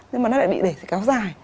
nhưng mà nó lại bị để thì cáo dài